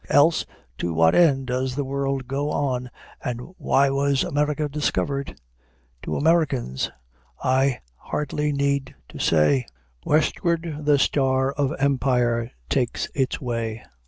Else to what end does the world go on, and why was America discovered? To Americans I hardly need to say, "Westward the star of empire takes its way."